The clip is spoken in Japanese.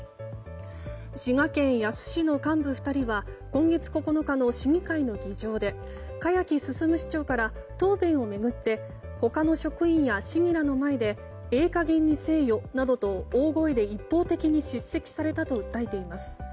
滋賀県野洲市の幹部２人は今月９日の市議会の議場で栢木進市長から答弁を巡って他の職員や市議らの前でええ加減にせえよと大声で一方的に叱責されたと訴えています。